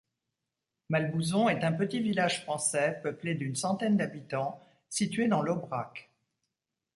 Malbouzon est un petit village français peuplé d'une centaine d'habitants, situé dans l'Aubrac.